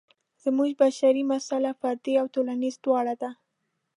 زموږ بشري مساله فردي او ټولنیزه دواړه ده.